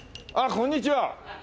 こんにちは。